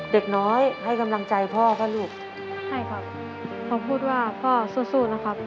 เด็กน้อยให้กำลังใจพ่อป่ะลูกให้ครับเขาพูดว่าพ่อสู้สู้นะครับ